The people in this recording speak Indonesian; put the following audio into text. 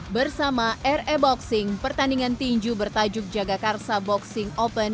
bersama re boxing pertandingan tinju bertajuk jagakarsa boxing open